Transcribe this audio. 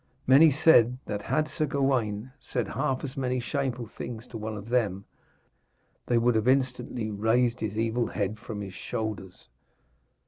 Many said that had Sir Gawaine said half as many shameful things to one of them, they would have instantly rased his evil head from his shoulders.